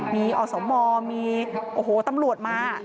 มีอสมมีโอ้โหตำรวจมา